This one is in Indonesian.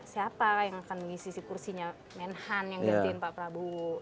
siapa yang akan mengisi si kursinya menhan yang gantiin pak prabowo